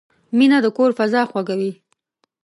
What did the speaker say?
مینه د کور فضا خوږوي.